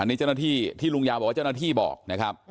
นี่เจ้าหน้าที่ที่ลุงยาวบอกว่าเจ้าหน้าที่บอกนะครับ